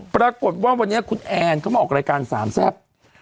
ปรากฏว่าวันนี้คุณแอนเขามาออกรายการสามแซ่บ